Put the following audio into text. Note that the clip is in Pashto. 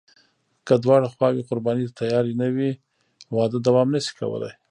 که دواړه خواوې قرباني ته تیارې نه وي، واده دوام نشي کولی.